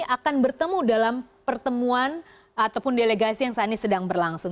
akan bertemu dalam pertemuan ataupun delegasi yang saat ini sedang berlangsung